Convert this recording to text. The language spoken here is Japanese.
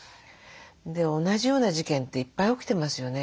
同じような事件っていっぱい起きてますよね。